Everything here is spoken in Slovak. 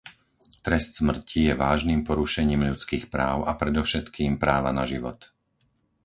Trest smrti je vážnym porušením ľudských práv a predovšetkým práva na život.